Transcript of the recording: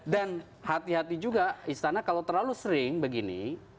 dan hati hati juga istana kalau terlalu sering begini